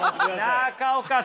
中岡さん。